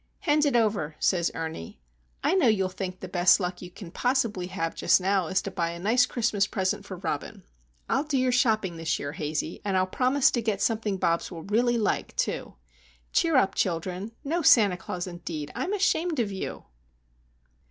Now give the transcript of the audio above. "Hand it over," says Ernie. "I know you'll think the best luck you can possibly have just now is to buy a nice Christmas present for Robin. I'll do your shopping this year, Hazey, and I'll promise to get something Bobs will really like, too. Cheer up, children! No Santa Claus, indeed! I'm ashamed of you."